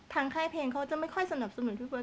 ทางค่ายเพลงเขาจะไม่ค่อยสนับสนุนที่ไว้